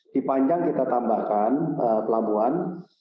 di panjang kita tambahkan pelabuhan